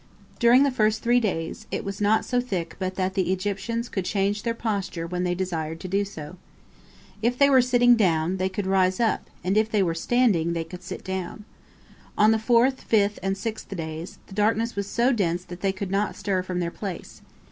During the first three days, it was not so thick but that the Egyptians could change their posture when they desired to do so. If they were sitting down, they could rise up, and if they were standing, they could sit down. On the fourth, fifth, and sixth days, the darkness was so dense that they could not stir from their place.